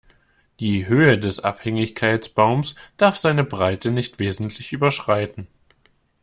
Die Höhe des Abhängigkeitsbaums darf seine Breite nicht wesentlich überschreiten.